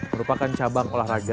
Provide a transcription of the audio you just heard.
merupakan cabang olahraga